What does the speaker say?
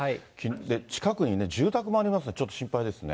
近くに住宅もありますね、ちょっと心配ですね。